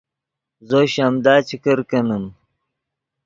زو شیمدا چے کرکینیم